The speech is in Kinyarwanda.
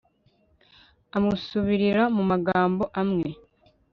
amusubirira mu magambo amwe